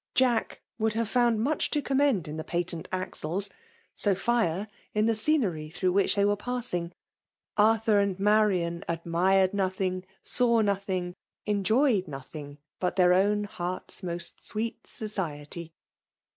" Jack" would have found much to conimend in the patent axles ; Sophia, in the scenery through which they were passing; Arthur and Marian admired nothing, daw nothing, enjoyed nothing but Their own hesTtai^ must sweet society